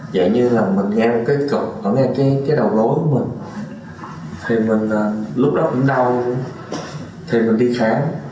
vậy như là mình nghe một cái cục ở ngay cái đầu gối của mình thì mình lúc đó cũng đau thì mình đi khám